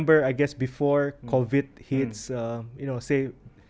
saya ingat sebelum covid terjadi